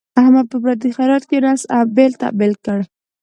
احمد په پردي خیرات کې نس امبېل تمبیل کړ.